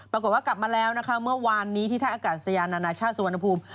ปรากฏว่ากลับมาแล้วนะคะเมื่อวานนี้ที่ท่าอากาศยานานาชาติสุวรรณภูมิ